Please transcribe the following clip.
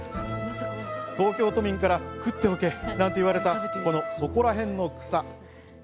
東京都民から食っておけ、なんて言われたこの、そこらへんの草。